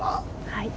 はい。